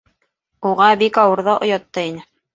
Уға бик ауыр ҙа, оят та ине.